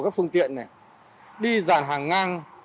các phương tiện này đi dàn hàng ngang